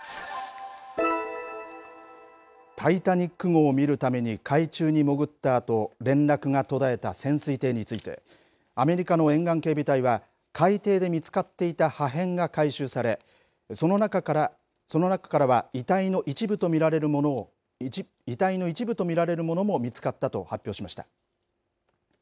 タイタニック号を見るために海中に潜ったあと連絡が途絶えた潜水艇についてアメリカの沿岸警備隊は海底で見つかっていた破片が回収されその中からは遺体の一部と見られるものも見つかったと発表しました。